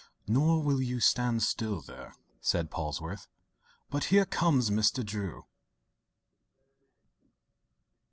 Nor will you stand still there," said Polwarth. "But here comes Mr. Drew!"